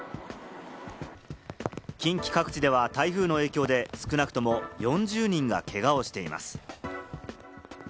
近畿各地では台風の影響で少なくとも４０人がけがをしています。